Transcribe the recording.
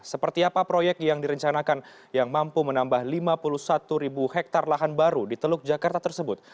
seperti apa proyek yang direncanakan yang mampu menambah lima puluh satu ribu hektare lahan baru di teluk jakarta tersebut